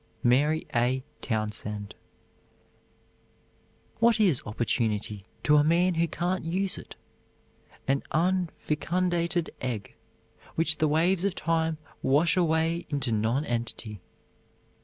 MARY A. TOWNSEND. What is opportunity to a man who can't use it? An unfecundated egg, which the waves of time wash away into non entity.